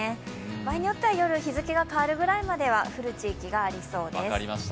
場合によっては夜、日付が変わるくらいまでは降る地域がありそうです。